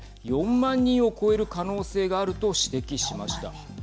４万人を超える可能性があると指摘しました。